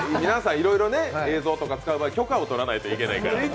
皆さんいろいろ映像使う場合許可を取らないといけないから。